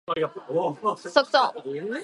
クソクソ